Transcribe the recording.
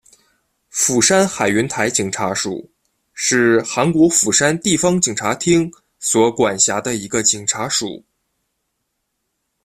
釜山海云台警察署是韩国釜山地方警察厅所管辖的一个警察署。